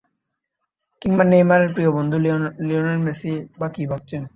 কিংবা নেইমারের প্রিয় বন্ধু লিওনেল মেসিই বা কী ভাবছেন।